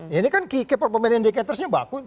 ini kan keeper pemain indikatornya bakal ya kan